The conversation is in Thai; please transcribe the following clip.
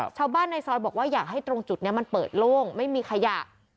ชาวบ้านในซอยบอกว่าอยากให้ตรงจุดนี้มันเปิดโล่งไม่มีขยะ